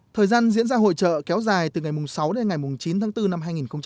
thời gian diễn ra hội trợ kéo dài từ ngày sáu đến ngày chín tháng bốn năm hai nghìn hai mươi